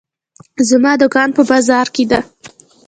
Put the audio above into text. زما دوکان په بازار کې ده.